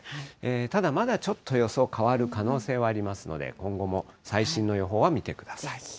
ただ、まだちょっと予想変わる可能性はありますので、今後も最新の予報は見てください。